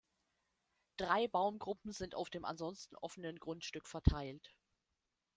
Drei Baumgruppen sind auf dem ansonsten offenen Grundstück verteilt.